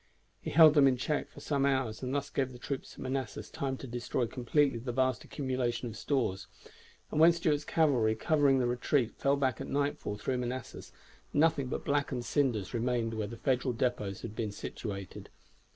He held them in check for some hours, and thus gave the troops at Manassas time to destroy completely the vast accumulation of stores, and when Stuart's cavalry, covering the retreat, fell back at nightfall through Manassas, nothing but blackened cinders remained where the Federal depots had been situated.